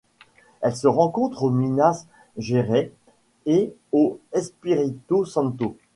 Elle se rencontre au Minas Gerais et au Espírito Santo.